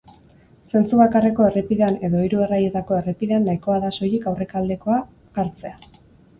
Zentzu bakarreko errepidean edo hiru erraietako errepidean nahikoa da soilik aurrealdekoa jartzea.